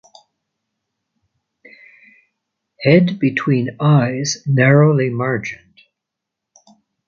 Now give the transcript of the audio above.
Head between eyes narrowly margined.